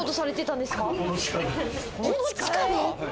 この地下で。